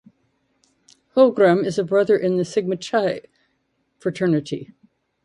Holmgren is a brother in the Sigma Chi fraternity.